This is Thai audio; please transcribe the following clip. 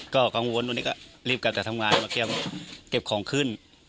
ก็กังวลวันนี้ก็รีบกลับจากทำงานมาเก็บของขึ้น